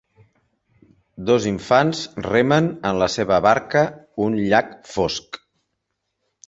Dos infants remen en la seva barca un llac fosc.